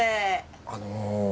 あの。